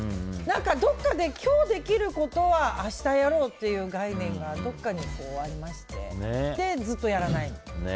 どっかで今日できることは明日やろうという概念がどこかにありましてで、ずっとやらない。